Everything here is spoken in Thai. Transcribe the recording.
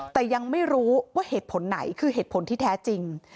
แต่ยังไม่รู้ว่าเหตุผลไหนคือเหตุผลที่แท้จริง